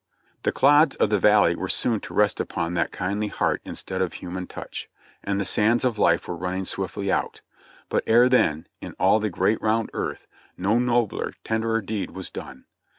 The clods of the valley were soon to rest upon that kindly heart instead of human touch, and the sands of life were running swiftly out ; but ere then, in all the great round earth, no nobler, tenderer deed was done.